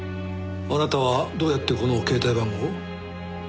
あなたはどうやってこの携帯番号を？